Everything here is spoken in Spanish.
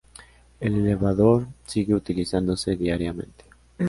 El elevador sigue utilizándose diariamente.